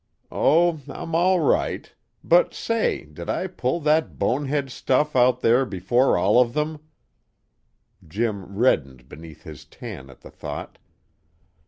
"Oh, I'm all right; but say, did I pull that bonehead stuff out there before all of them?" Jim reddened beneath his tan at the thought.